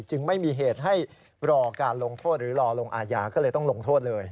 จึงไม่มีเหตุให้รอการลงโทษหรือรอลงอาญาก็เลยต้องลงโทษเลย